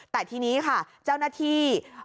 แต่ทีนี้ค่ะเจ้าหน้าที่